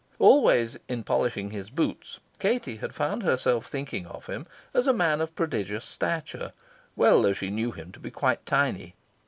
Always, in polishing his boots, Katie had found herself thinking of him as a man of prodigious stature, well though she knew him to be quite tiny.